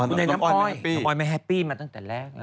อ๋อน้ำอ้อยน้ำอ้อยไม่แฮปปี้มาตั้งแต่แรก